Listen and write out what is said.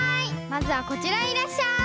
まずはこちらへいらっしゃい！